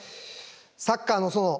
「サッカーの園」